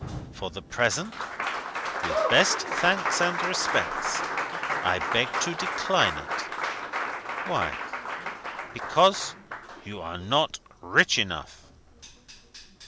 For the present (with best thanks and respects), I beg to decline it." "Why?" "Because you are not rich enough."